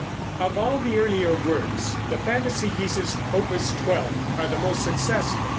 Of all the earlier works the Fantasy Pieces, Opus 12, are the most successful.